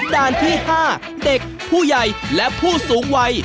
ด้านที่๕เด็กผู้ใหญ่และผู้สูงวัย